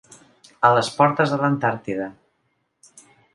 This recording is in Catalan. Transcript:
A les portes de l'Antàrtida.